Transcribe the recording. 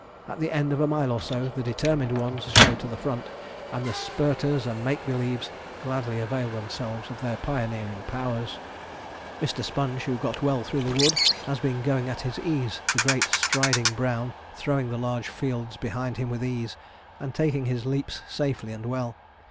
At the end of a mile or so, the determined ones show to the front, and the spirters and 'make believes' gladly avail themselves of their pioneering powers. Mr. Sponge, who got well through the wood, has been going at his ease, the great striding brown throwing the large fields behind him with ease, and taking his leaps safely and well.